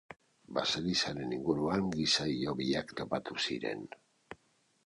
Baselizaren inguruan giza hilobiak topatu ziren.